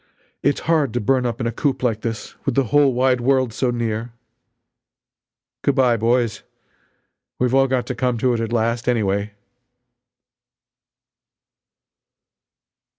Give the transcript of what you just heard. It's hard to burn up in a coop like this with the whole wide world so near. Good bye boys we've all got to come to it at last, anyway!"